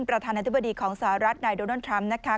ประธานาธิบดีของสหรัฐนายโดนัลด์ทรัมป์นะคะ